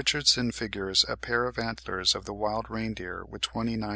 Richardson figures a pair of antlers of the wild reindeer with twenty nine points.